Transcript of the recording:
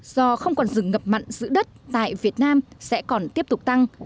do không còn rừng ngập mặn giữ đất tại việt nam sẽ còn tiếp tục tăng